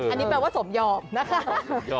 อันนี้แปลว่าสมยอมนะคะ